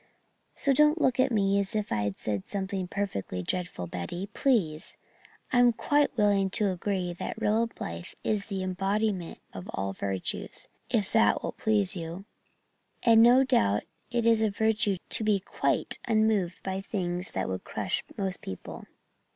So don't look at me as if I'd said something perfectly dreadful, Betty, please. I'm quite willing to agree that Rilla Blythe is the embodiment of all the virtues, if that will please you. And no doubt it is a virtue to be quite unmoved by things that would crush most people."